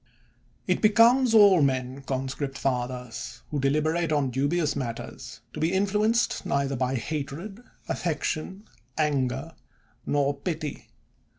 It becomes all men, conscript fathers, who deliberate on dubious matters, to be influenced neither by hatred, affection, anger, nor pity.